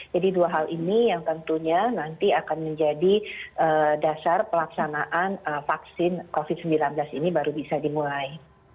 jadi dua hal ini yang tentunya nanti akan menjadi dasar pelaksanaan vaksin covid sembilan belas ini baru bisa dimulai